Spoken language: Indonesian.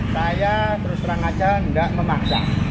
saya terus terang saja tidak memaksa